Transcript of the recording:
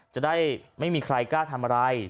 จะได้ไม่มีใครกล้าทำอะไร